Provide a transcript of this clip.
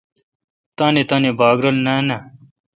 تنی تانی باگ نان اؘ۔